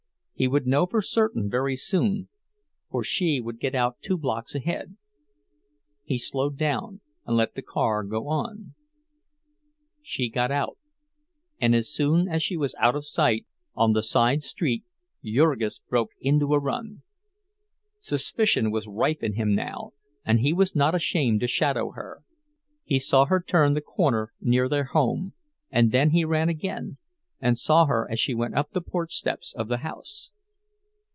He would know for certain very soon, for she would get out two blocks ahead. He slowed down, and let the car go on. She got out: and as soon as she was out of sight on the side street Jurgis broke into a run. Suspicion was rife in him now, and he was not ashamed to shadow her: he saw her turn the corner near their home, and then he ran again, and saw her as she went up the porch steps of the house.